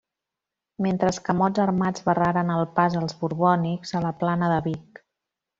Mentre escamots armats barraren el pas als borbònics a la plana de Vic.